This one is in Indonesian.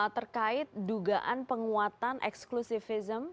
terkait dugaan penguatan eksklusif